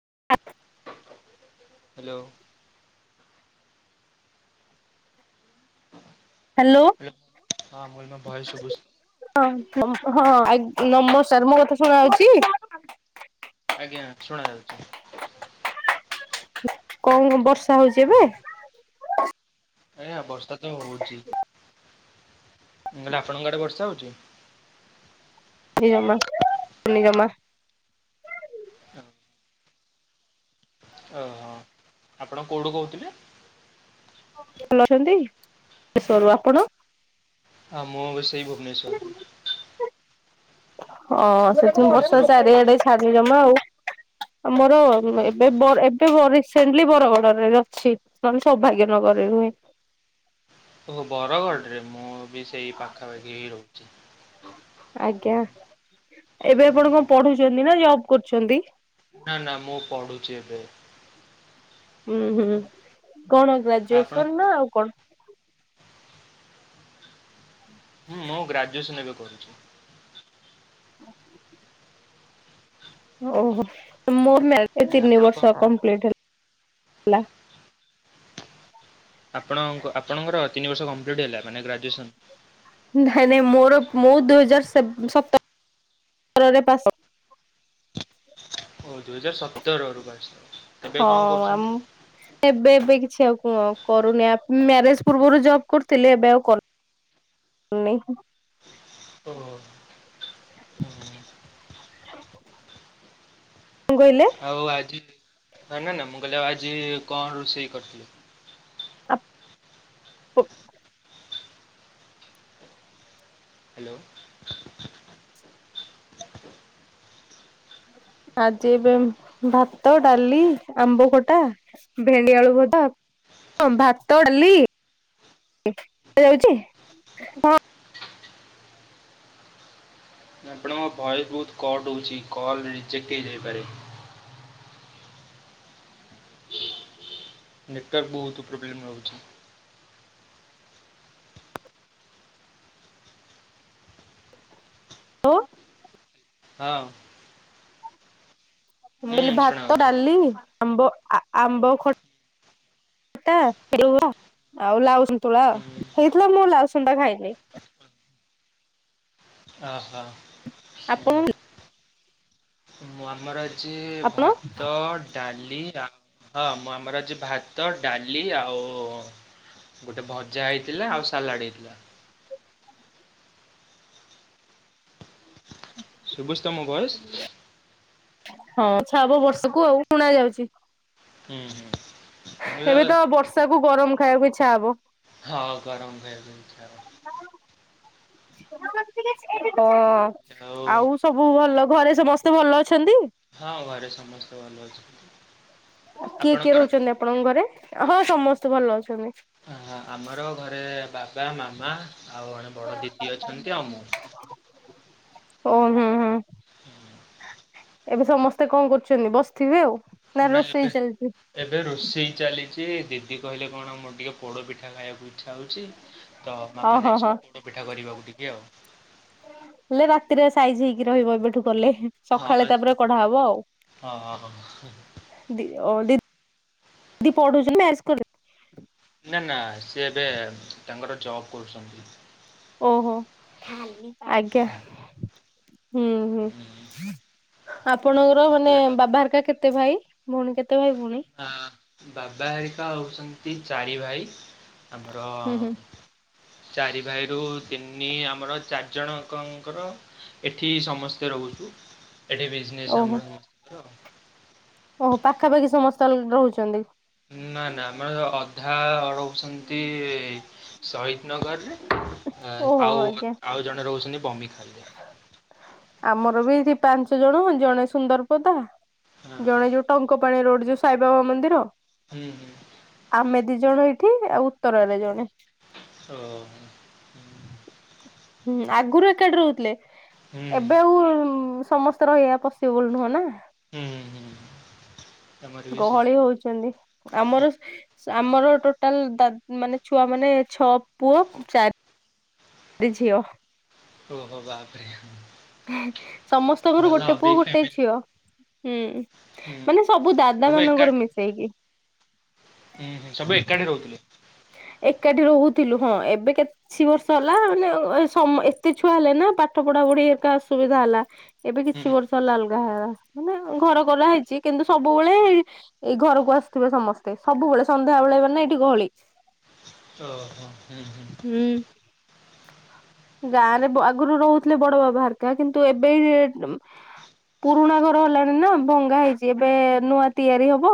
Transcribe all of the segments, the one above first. [inaudible] Hello! Hello! ହଁ ମୁଁ ମୋ ଭଏସ ଶୁଭୁଛି ହଁ ଆଂଗ୍ ନମସାର, ମୋ କଥା ଶୁଣାଆଉଛି? ଆଜ୍ଞା, ଶୁଣା ଯାଉଛି। କଂ ବର୍ଷା ହଉଛି ଏବେ? ଆଜ୍ଞା, ବର୍ଷା ତ ହଉଚି। ମୁଁ ଗଲେ ଆପଣଙ୍କ ଆଡେ ବର୍ଷା ହଉଛି? ନିଜମା ଲିଅମା ଓହୋ! ଆପଣ କଉଠୁ କହୁଥିଲେ? ଭଲ ଅଛନ୍ତି, [unintelligible] ଆପଣ? ହଁ, ମୁଁବି ସେଇ ଭୁବନେଶ୍ଵର? ହଁ, ସେଥିପାଇଁବର୍ଷା କୋଉଠୁ ଚାରିଆଡେ କହୁଥିଲେ? ଛାଡି ଜମା ଆଉ ଆମର ଏବେ ବ ଏବେ ବ ରିସେଣ୍ଟଲି ବରଗଡରେ ଅଛି। ନହେଲେ, ମାନେ ସୌଭାଗ୍ୟ ନଗରରେ ରୁହେ। ଓ! ବରଗଡ଼ରେ, ମୁଁ ବି ସେଇ ପାଖାପାଖି ହି ରହୁଛି। ଆଜ୍ଞା ଏବେ ଆପଣ କଣ ପଢୁଛନ୍ତି ନା ଯବ୍ କରୁଛନ୍ତି? ନା, ନା, ମୁଁ ପଢୁଛି ଏବେ? ହୁଁ, ହୁଁ କଣ ଆପଣ ଗ୍ରାଜୁଏସନ୍ କଣ ନା କରୁଛନ୍ତି? ଆଉ କଣ? ହୁଁ, ମୁଁ ଗ୍ରାଜୁଏସନ ଏବେ କରୁଛି। ଓହୋ! ମୋ ମ୍ୟାରେ ତିନି ଆପଣ କଣ ବର୍ଷ କମ୍ପ୍ଲିଟ ହେଲା। ଲା। ଆପଣଙ୍କ ଆପଣଙ୍କର ତିନି ବର୍ଷ କମ୍ପ୍ଲିଟ୍ ହେଲା, ମାନେ ଗ୍ରାଜୁଏସନ୍? ନାଇଁ, ନାଇଁ ମୋର ମୁଁ, ଦୁଇ ହଜାର ସେ ସତର ତରରେ ପାସ। ଓ! ଦୁଇ ହଜାର ସତର ରୁ ପାସ୍। ଏବେ କଣ ହଁ କରୁଛନ୍ତି? ହଁ, କରୁନି ଆପ୍। ମ୍ୟାରେଜ ପୂର୍ବରୁ ଯବ୍ କରିୁଥିଲି। ଏବେ ଆଉ କର ନେହିଁ। ଓହୋ! ହୁଁ ହୁଁ। କଣ କହିଲେ? ଆଉ ଆଜି, ନା, ନା, ନା, ମୁଁ କହିଲି ଆଉ ଆଜି କଣ ରୋଷେଇ କରିଥିଲୁ? [inaudible] ହ୍ୟାଲୋ! ଆଜି ଏବେ ଭାତ, ଡାଲି, ଆମ୍ବ ଖଟା, ଭେଣ୍ଡିଆଳୁ ଭଜା ହଁ, ଭାତ, ଡାଲି [inaudible] ତମ ଭଏସ୍ ବହୁତ୍ କଟ୍ ହଉଛି। କଲ୍ ରିଜେକ୍ଟ ହେଇଯାଇପାରେ? ନେଟୱାର୍କ ବହୁତ ପ୍ରୋବ୍ଲେମ୍ ରହୁଛି? ଓ! ହଁ। ମୁଁ କହିଲି ହୁଁ ଭାତ, ଶୁଣାଯାଉଛି ଡାଲି ଆମ୍ବ ଆ ଆମ୍ବ ଖଟା [unintelligible] ଆଉ ଲାଉସନ ନ୍ତୁଳା ହୁଁ। ହେଇଥିଲା। ମୁଁ ଲାଉ ସନ୍ତୁଳା ଖାଇନି? ଓ ହୋ। ଆପ। [unintelligible] ମୁଁ ଆମର ଯେ ଆପଣ ଭାତ, ଡାଲି ହଁ ମୁଁ ଆମର ଅଛି ଭାତ, ଡାଲି ଆଉ ଗୋଟେ ଭ ଜା ହେଇଥିଲା ଆଉ ସାଲାଡ଼ ହେଇଥିଲା। ସବୁଚି ତମ ମୋ ଭଏସ୍। ହଁ ସାବ ବର୍ଷକୁ ଆଉ ଶୁଣା ଯାଉଛି। ହୁଁ ହୁଁ। ମୁଁ ଏବେ କହିଲି ତ ବର୍ଷାକୁ ଗରମ ଖାଇବାକୁ ଇଚ୍ଛା ହବ। ହଁ ଗରମ ଖାଇବାକୁ ଇଚ୍ଛା ହବ। ହ ଆଉ ସବୁ ଭଲ ଘରେ ସମସ୍ତେ ଭଲ ଅ ହଁ ଘରେ ସମସ୍ତେଭଲ ଅଛି। କିଏ କିଏ ରହୁଛନ୍ତି ଆପଣଙ୍କ ଘରେ? ହଁ ସମସ୍ତେ ଭଲ ଅଛ ଅ ଆମର ଘରେ ବା ପା ମାମା ଆଉ ଜଣେ ବଡ ଦିଦି ଅଛନ୍ତି ଆଉ ମୁଁ। ଓ ହୁଁ ହୁଁ। ଏବେ ସମସ୍ତେ କଣ କରୁଛନ୍ତି ବସିଥିବେ ଆଉ। ନା ନାଇ ରୋଷେଇ ଏବେ ଚାଲିଛି ଏବେ ରୋଷେଇ ଚାଲିଛି ଦି ଦି କହିଲେ କଣ ମୋର ଟିକେ ପୋଡ଼ ପିଠା ଖାଇବାକୁ ଇଛା ହଉଛି ତ ହଁ ମାମା ହଁ ହଁ ଯାଇଛନ୍ତି ପୋଡ ପିଠା କରିବାକୁ ଟିକେ ଆଉ। ହେଲେ ରାତିରେ ସା ରହିବ ଏବେଠୁ କଲେ। ସଖାଳେ ହଁ ତାପରେ କଢା ହବ ଆଉ। ହଁ ହଁ। ଦି ଆ ଦି ଦି ପଢୁଛନ୍ତି ମ୍ୟରଜ କଲେ? ନା ନା ସିଏ ଏବେ ତାଙ୍କର ଜବ କରୁଛନ୍ତି। ଓହୋ ଆଜ୍ଞା। ହୁଁ ହୁଁ ଆପଣଙ୍କର ମାନେ ହେଲେ ବାବା ହେରିକା କେତେ ଭାଇ? ଭଉଣୀ କେତେ ଭାଇ ଭଉଣୀ? ବାବା ହାରିକା ହେଉଛନ୍ତି ଚାରି ଭାଇ। ଆମର ହୁଁ ହୁଁ ଚାରି ଭାଇରୁ ତିନି ଆମର ଚାରି ଜଣକଙ୍କର ଏଠି ସମସ୍ତେ ରହୁଚୁ ଏଠି ବିଜନେସ୍ ଓହୋ ଆମ ସମସ୍ତଙ୍କର। ଓହୋ ପାଖାପାଖି ସମସ୍ତେ ଲ ରହୁଛନ୍ତି। ନା ନା ଆମର ଅଧା ରହୁଛନ୍ତି ଶହିଦନଗରରେ ଆ ଓହୋ ଆଉ ଆଜ୍ଞା। ଆଉ ଜଣେ ରହୁଛନ୍ତି ବମିଖାଲରେ। ଆମର ବି ଏଠି ପାଞ୍ଚ ଜଣ ଜଣେ ସୁନ୍ଦରପଦା ହଁ ଜଣେ ଯୋଉ ଟଙ୍କ ପାଣି ରୋଡ଼ ଯୋଉ ସାଇବାବା ମନ୍ଦିର ହୁଁ ହୁଁ ଆମେ ଦି ଜଣ ଏଇଠି ଆଉ ଉତ୍ତରାରେ ଜଣେ। ଓହୋ। ହୁଁ ଆଗରୁ ଏକାଠି ରହୁଥିଲେ। ହୁଁ ଏବେ ଆଉ ଉଁ ସମସ୍ତେ ରହିବା ପସିବୁଲ ନୁହଁ ନା। ହୁଁ ହୁଁ। ତମର ବି ସେ ଗହଳି ହଉଛନ୍ତି ଆମର ଆମର ଟୋଟାଲ ଦାଦ ମାନେ ଛୁଆ ମାନେ ଛଅ ପୁଅ ଚାରି ରି ଝିଅ। ଓହୋଃ ବାପରେ। ସମସ୍ତଙ୍କର ଭଲ ଗୋଟେ ପୁଅ ବିଗ୍ ଗୋଟେ ଫ୍ୟାମିଲି। ଝିଅ। ହୁଁ ହୁଁ ମାନେ ସବୁ ଦାଦା ମାନଙ୍କର ମିଶେଇକି। ହୁଁ ହୁଁ ସବୁ ଏକାଠି ରହୁଥିଲେ। [inaudible] ଏକାଠି ରହୁଥିଲୁ ହଁ ଏବେ କିଛି ବର୍ଷ ହେଲା ମାନେ ଅ ସମ୍ ଏତେ ଛୁଆ ହେଲେ ନା ପାଠ ପଢା ପଢି ଏକା ଅସୁବିଧା ହେଲା ଏବେ ହୁଁ କିଛି ହୁଁ ବର୍ଷ ହେଲା ମାନେ ଘର କର ହେଇଛି କିନ୍ତୁ ସବୁବେଳେ ଏ ଘରକୁ ଆସିଥିବେ ସମସ୍ତେ ସବୁ। ସବୁବେଳେ ସନ୍ଧ୍ୟାବେଳେ ଗନେ ଏଠି ଗହଳି। ଓ ହୋ ହୁଁ, ହୁଁ, ଗାଁ ରେ ବା ଆଗରୁ ରହୁଥିଲେ ବଡ ବାବା ହେରିକା କିନ୍ତୁ ଏବେ ପୁରୁଣା ଘର ହେଲାଣି ନା ଭଙ୍ଗା ହେଇଛି ଏବେ ନୂଆ ତିଆରି ହବ।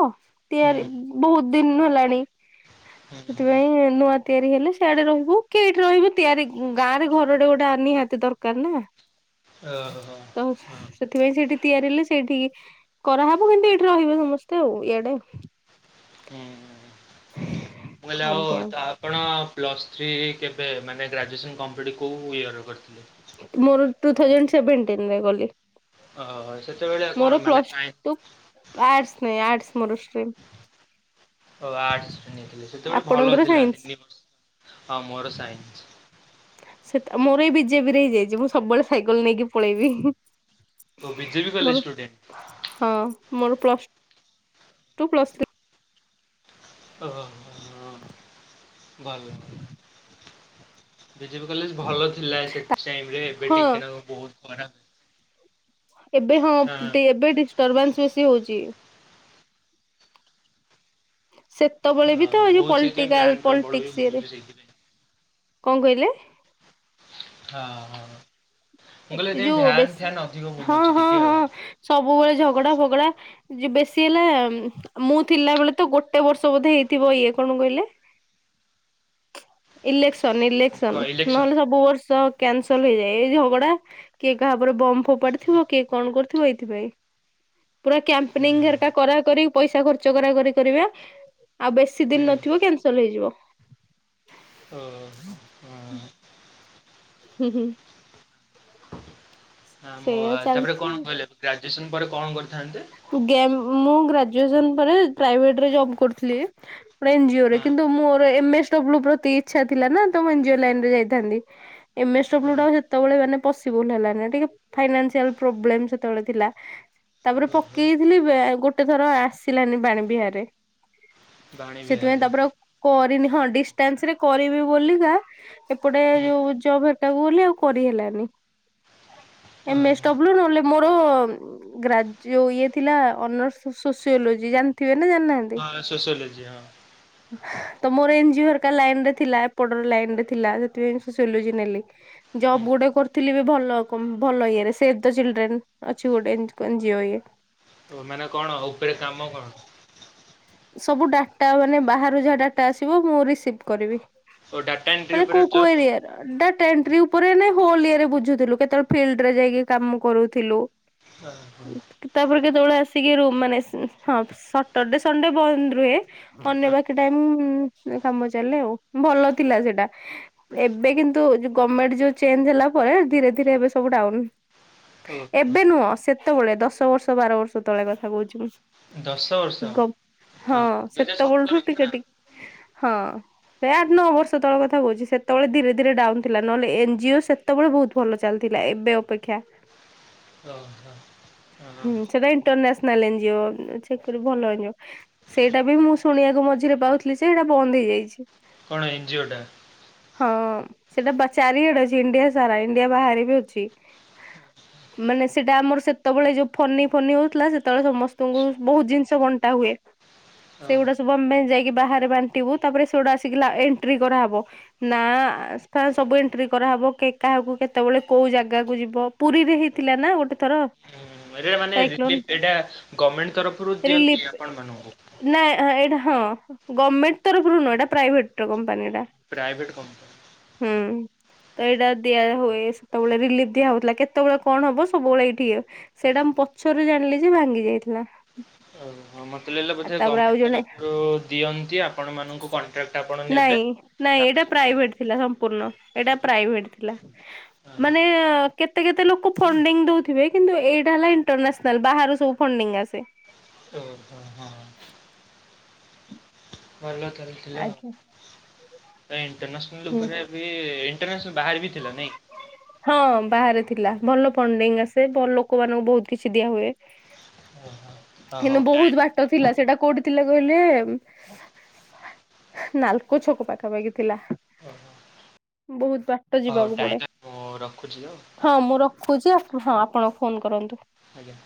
ତିଆରି ହୁଁ। ବହୁତ ଦିନୁ ହେଲାଣି, ହୁଁ ସେଥିପାଇଁ ନୂଆ ତିଆରି ହେଲେ ସେଆଡେ ରହିବୁ କେଇଠି ରହିବୁ ତିଆରି ଗ ଗାଁ ରେ ଘରଟେ ଗୋଟେ ନିହାତି ଦରକାର ନା! ଓହୋ ତ ହଁ। ସେଥିପାଇଁ ସେଠି ତିଆରି ହେଲେ ସେଇଠିକି କରାହେବ କିନ୍ତୁ ଏଇଠି ରହିବେ ସମସ୍ତେ ଆଉ ଇଆଡେ। ହୁଁ, ମୁଁ କହିଲି ଆଉ ଆଜ୍ଞା ଆପଣ ପ୍ଲସ୍ ଥ୍ରି କେବେ ମାନେ ଗ୍ରାଜୁଏସନ୍ କମ୍ପ୍ଲିଟ୍ କୋଉଁ ଇୟର କରିଥିଲେ? ମୋର ଟୁ ଥାଉଜାଣ୍ଡ ସେଭେଣ୍ଟିନରେ ଗଲି। ଓହୋ ସେତେବେଳେ କଣ ମୋର ମାନେ ପ୍ଲସ ସାଇନ୍ସ ଟୁ ଆଟସ ନାଇଁ ଆର୍ଟସ ସ୍ମରଶ୍ରୀ, ଓ ଆର୍ଟସୁଣିଥିଲି ସେତେବେଳେ ଭଲ ଆପଣଙ୍କର ଥିଲା ସାଇନ୍ସ ତିନି ବର୍ଷ। ଆଉ ମୋର ସାଇନ୍ସ। ଆଉ ମୋର ଏଇ ବିଜେବି ରେ ହେଇଯାଇଛି ମୁଁ ସବୁବେଳେ ସାଇକେଲ ନେଇକି ପଳେଇବି ଓ ବିିଜେପି କଲେଜ ମୋର ଷ୍ଟୁଡେଣ୍ଟ। ହଁ ମୋର ପ୍ଲସ୍ ଟୁ ପ୍ଲସ୍ ଥ୍ରୀ ଓ ହ ହ ଭଲ ବିଜେପ କଲେଜ ଭଲ ଥିଲା। ସେ ଟାଇମୀରେ ଏବେ ହଁ ଟିକେ ନା ବହୁତ ଖରାପ ଏବେ ହଁ ଏବେ ଡିଷ୍ଟର୍ବାନ୍ସ ବେଶୀ ହଉଛି। ସେତେବେଳେ ବି ହଁ ତ ଯୋଉ ବହୁତ ସେଇଥିପାଇଁ ଭ୍ୟାନ ପଲିଟାକାଲ ପ୍ରବଳ ବି ପଲିଟିକସ ଇଏରେ ବୁଲୁଛି ସେଇଥିପାଇଁ। କଣ କହିଲେ? ହଁ ହ ଏ ଯୋଉ ବେଶୀ ହଁ ବୁଲୁଛି ହଁ ଟିକେ ଆଉ। ହଁ ସବୁବେଳେ ଝଗଡା ଫଗଡା ବେଶୀ ହେଲା ଉ ମୁଁ ଥିଲା ବେଳେ ତ ଗୋଟେ ବର୍ଷ ବୋଧେ ହେଇଥିବ ଇଏ କଣ କହିଲେ ଇଲେ ସନ ଇଲେ କେସନ୍ କ ଇଲେକ୍ସନ ନହେଲେ ସବୁ ବର୍ଷ କେନ୍ସ ଲେହେଇଯାଏ ଏଇ ଝଗଡା କିଏ କାହା ବମ୍ ଫୋପାଡି ହୁଁ ଥିବ। କି କଣ କରୁଥିବ ଏଇଥିପାଇ ପୁରା କ୍ୟପିନିଗ ହାରିକ କରା କରି ପଇସା ଖର୍ଚ୍ଚ କରା କରି କରିବା ଆଉ ବେଶୀ ଦିନ ନଥିବ କ୍ୟାନସଲ ହେଇଯିବ। ଓ ହୋ ହଁ ହୁଁ ହୁଁ ହଁ ମୋ ସେଇଆ ତାପରେ ଚାଲିଛି ଆଉ। କଣ? କହିଲେ ଗ୍ରାଜୁଏସନ ପରେ କଣ? କ ମୁଁ ଗେମେ ଗ୍ରାଜୁଏସନ ପରେ ପ୍ରାଇଭେଟରେ ଜବ୍ କରୁଥିଲି। ଏନେଜିଓ ରେ ହଁ କିନ୍ତୁ ମୋର ଏମ ଏସ୍ ଡବ୍ଲୁ ପ୍ରତି ଇଚ୍ଛା ଥିଲା ନା ତ ମୁ ଏନେଜିଓ ଲାଇନ ରେ ଯାଇଥାନ୍ତି। ଏମ ହଁ ଏସ୍ଡ୍ଦବ୍ଲୁ ସେତେବେଳେ ମାନେ ପସିବୁଲ ହେଲାନି ଟିକେ ଫାଇସିଆଲ୍ଲେ ପ୍ରୋ ବ୍ଲେମ୍ ସେତେବେଳେ ଥିଲା। ତାପରେ ଓହୋ ପକେଇଥିଲି ବେ। ଗୋଟେ ଥର ଆସିଲାନି ବାଣୀ ବିହାରରେ ବାଣୀ ସେଥିପାଇଁ ବିହାରରେ ତାପରେ ଆଉ କରିନି ହଁ ଡିଷ୍ଟାନ୍ସ ରେ କରିବି ବୋଲିକା ଏପଟେ ହୁଁ ଯୋଉ ଜବ ହେଟାକୁ ଗଲି ଆଉ କରିହଲାନି ଏମ୍ ଏସ୍ ଓହୋ ଡବ୍ଲୁ ନହଲେ ମୋର ଗ୍ରାଜ ଇଏ ଥିଲା ଅନର୍ ସୋ ସୋସିଲୋଜି ଜାଣିଥିବେ ନା ଜାଣିନାହାନ୍ତି? ହଁ ସୋସିଓଲଜି ହଁ ତ ମୋର ଏନଜିର ଲାଇନ ରେ ଥିଲା ଏପଟର ଲାଇନ ରେ ଥିଲା। ସେଥିପାଇଁ ସୋସିଆଲଜି ନେଲି ଜବ୍ ହୁଁ ଗୋଟେ କରୁଥିଲି ବି ଭଲ କ ଭଲ ଇଏରେ ସେ ଚିଲଡ୍ରେନ୍ ଅଛି ଗୋଟେ ଜିଓ ଇଏ ଓ ମାନେ କଣ? ଉପରେ କାମ କଣ? ସବୁ ଡାଟା ମାନେ ବାହାରୁ ଯାହା ଡାଟା ଆସିବ ମୁଁ ରିସିଭ କରିବି। ଓ ଡାଟା ଏଣ୍ଟ୍ରି ମାନେ ଉପରେ କୋଉ କୋଉ ଜବ୍ ଓ ଏରିଆର ଡ଼ା ତେନ୍ ଥ୍ରୁ ଉପରେ ନା ହଲ ଇରେ ବୁଝୁଥିଲୁ କେତେବେଳେ ଫିଲ୍ଡ ରେ ଯାଇକି କାମ କରୁଥିଲୁ ତାପରେ କେତେବେଳେ ଆସିକି ରୁମ ମାନେ ହଁ ସଟର ସଣ୍ଡେ ବନ୍ଦ ରୁହେ ଅନ୍ୟ ବାକି ଟାଇ କାମ ଚାଲେ ଆଉ ଭଲ ଥିଲା ସେଟା ଏବେ କିନ୍ତୁ ଯ ଗଭର୍ମେଣ୍ଟ ଯୋଉ ଚେଞ୍ଜ ହେଲା ପରେ ଧୀରେ ଧୀରେ ଏବେ ସବୁ ଡାଉନ୍ ଏବେ ନୁହଁ ସେତେବେଳେ ଦଶ ବର୍ଷ ବାର ବର୍ଷ ତଳେ କଥା କହୁଛି ମୁଁ ଦଶ ବର୍ଷ ଗବ ହଁ ଦୁଇ ହଜାର ସେତେବେଳଠୁ ସତର ଟିକେ ନା ଟିକେ ହଁ ସେ ଆଠ ନଅ ବର୍ଷ ତଳଳେ କଥା କହୁଛି ସେତେବେଳେ ଧୀରେ ଧୀରେ ଡାଉନ ଥିଲା ନହେଲେ ଏନ ଜଜିଓ ସେତେବେଳେ ବହୁତ ଭଲ ଚାଲିଥିଲା ଏବେ ଅପେକ୍ଷା ଓହୋ ହଁ ନେଲେ ଯିଅ ଚେକ୍ କରି ଭଲ ହେଇଯିବ ସେଇଟା ବି ମୁଁ ଶୁଣିବାକୁ ମଝିରେ ପାଉଥିଲି। ଯେ ଏଇଟା ବନ୍ଦ ହେଇଯାଇଛି। କଣ ଏନଜିଓଟା? ହଁ ସେଟା ପଚାରିିଡେ ଅଛି ଇଣ୍ଡିଆ ସାରା ଇଣ୍ଡିଆ ବାହାରେ ବି ଅଛି ମାନେ ସେଇଟା ଆମର ସେତେବେଳେ ଯୋଉ ଫନି ଫନି ହଉଥିଲା ସେତେବେଳେ ସମସ୍ତଙ୍କୁ ବହୁତ ଜିନିଷ ବଣ୍ଟା ହୁଏ ହଁ ସେଗୁଡା ସବୁ ଆମେ ଯାଇ ବାହ ବାଣ୍ଟିବୁ ତାପରେ ସେଟା ଆସ ଏଣ୍ଟି କରାହବ ନା ସବୁ ଏଣ୍ି କର ହବ କେ କାହାକୁ କେତେବେଳେ କୋଉ ଜାଗାକୁ ଯିବ ପୁରୀରେ ହେଇଥିଲା ନା ଗୋଟେ ଥର ଁ ଏଇଟା ମାନେ ସାଇକ୍ଲୋନ ରିଲିଫ ଏଇଟା ଗଭର୍ଣ୍ଣମେଣ୍ଟ ତରଫରୁ ରିଲିଫ ଦିଅନ୍ତି ପ ବନବୁ ନା ହଁ ଗଭର୍ଣ୍ଣମେଣ୍ଟ ତରଫରୁ ନୁହଁ ଏଟା ପ୍ରାଇଭେଟ ବନିଟା ପ୍ରାଇଭେଟ କମ୍ପାନୀ। ହୁଁ ତ ଏଇଟା ଦିଆ ହୁଏ ସେତେବେଳେ ରିଲିଫ ଦିଆ ହଉଥିଲା କେତେବେଳେ କଣ ହବ ସବୁବେଳେ ଏଇଠିକ ସେଇଟା ପଛରୁ ଜାଣିଲି ଯେ ଭାଙ୍ଗି ଯାଇଥିଲା ହଁ ମତେ ଲାଗିଲା ଆ ବୋଧେ ତାପରେ ଆଉ ଗଭର୍ଣ୍ଣମେଣ୍ଟ ଜଣେ ତରଫରୁ ଦିଅନ୍ତି ଆପଣ ମଙ୍କୁ କଣ୍ଟ୍ରାକ୍ଟ ଆପଣ ନେବେ ନଁ ଏଇଟା ତାପରେ ଯାଇକି ପ୍ରାଇଭେଟ ଥିଲା ସମ୍ପୂର୍ଣ୍ଣ ଏଟା ପ୍ରାଇଭେଟ ଥିଲା ହଁ ହଁ ମାନେ କେତେ କେତେ ଲୋକ ଫଣ୍ଡିଙ୍ଗ ଦଉଥିବେ କିନ୍ତୁ ଏଇଟା ହେଲା ଇଣ୍ଟରନ୍ୟାସନାଲ ବାହାରୁ ସବୁ ଫଣ୍ଡି ଆସେ ହ ହଁ ବରଗତର ଥିଲା ଆଜ୍ଞା ଆଉ ଇଣ୍ଟରନ୍ୟାସନାଲ୍ ହୁଁ। ଉପରେ ବି ଇଣ୍ଟରନ୍ୟାସନାଲ୍ ବାହାରେ ବି ଥିଲା ନାଇଁ? ହଁ ବାହାରେ ଥିଲା ଭଲ ଫଣ୍ଡିଙ୍ଗ ଆସେ ଲୋକମାନାନଙ୍କୁ ବହୁତ କିଛି ଦିଆ ହୁଏ ଓହୋ କିନ୍ତୁ ହଉ ବହୁତ ଟାଇମ୍ ବାଟ ଥିଲା ସେଇଟା କୋଉଠି ଥିଲା କହିଲେ ନାଲକୋ ଛକ ପାଖାପାଖି ଥିଲା ଓହୋ ବହୁତ ବା ହଉ ଟାଇ ମୁଁ ରଖୁଛି ଆଉ ହଁ ମୁଁ ରଖୁଛି ହଁ ଆପଣଙ୍କୁ ଫୋନ କରନ୍ତୁ ଆଜ୍ଞା